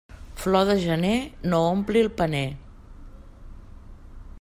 Flor de gener no ompli el paner.